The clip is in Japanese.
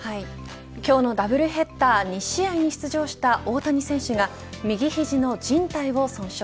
今日のダブルヘッダー２試合に出場した大谷選手が右肘の靭帯を損傷。